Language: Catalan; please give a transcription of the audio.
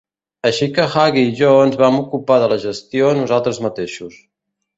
Així que Hughie i jo ens vam ocupar de la gestió nosaltres mateixos.